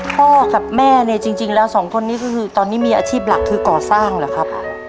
พ่อกับแม่เนี่ยจริงแล้วสองคนนี้ก็คือตอนนี้มีอาชีพหลักคือก่อสร้างเหรอครับ